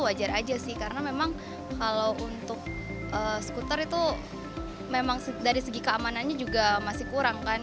wajar aja sih karena memang kalau untuk skuter itu memang dari segi keamanannya juga masih kurang kan